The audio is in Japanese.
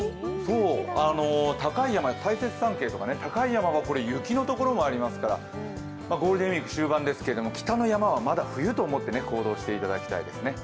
高い山・大雪山系とかは雪の所もありますからゴールデンウイーク終盤ですけれども北の山はまだ冬と思って行動していただきたいですね。